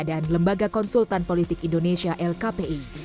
dan lembaga konsultan politik indonesia lkpi